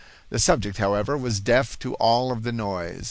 The subject, however, was deaf to all of the noise.